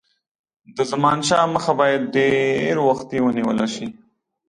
د زمانشاه مخه باید ډېر وختي ونیوله شي.